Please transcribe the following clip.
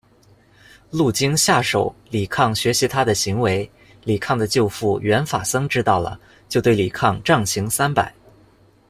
路经夏首，李抗学习他的行为，李抗的舅父元法僧知道了，就对李抗杖刑三百。